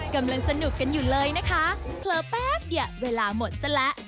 กำลังสนุกกันอยู่เลยนะคะเผลอแป๊บเดียวเวลาหมดซะแล้ว